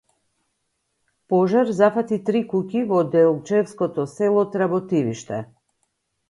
Пожар зафати три куќи во делчевското село Тработивиште